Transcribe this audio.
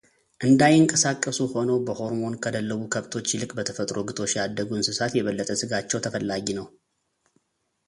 እንዳይንቀሳቀሱ ሆነው በሆርሞን ከደለቡ ከብቶች ይልቅ በተፈጥሮ ግጦሽ ያደጉ እንስሳት የበለጠ ሥጋቸው ተፈላጊ ነው።